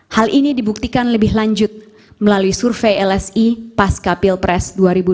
hal ini dibuktikan lebih lanjut melalui survei lsi pasca pilpres dua ribu dua puluh